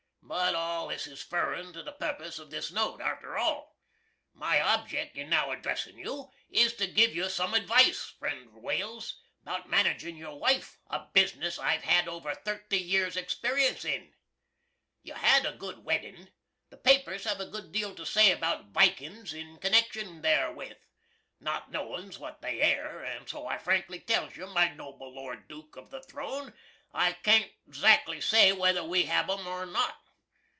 But all this is furrin to the purpuss of this note, arter all. My objeck in now addressin' you is to giv you sum advice, friend Wales, about managin' your wife, a bizniss I've had over thirty years experience in. You had a good weddin. The papers have a good deal to say about "vikins" in connexion thare with. Not knowings what that air, and so I frankly tells you, my noble lord dook of the throne, I can't zackly say whether we hab 'em or not.